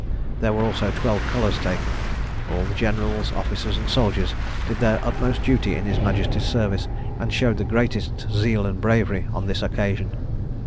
There were also twelve colours taken. All the generals, officers, and soldiers, did their utmost duty in his Majesty's service, and showed the greatest zeal and bravery on this occasion.